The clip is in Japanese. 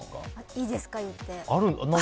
いいですか、言って。